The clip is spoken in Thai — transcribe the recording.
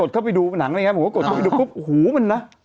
เข้าไปดูหนังอะไรอย่างนี้ผมก็กดเข้าไปดูปุ๊บโอ้โหมันนะ